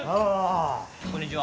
こんにちは。